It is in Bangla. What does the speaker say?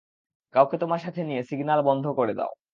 কাউকে তোমার সাথে নিয়ে সিগন্যাল বন্ধ করে দাও।